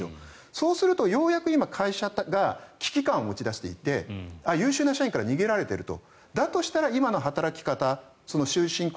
そうするとようやく会社が危機感を持ち出していて優秀な社員から逃げられていると。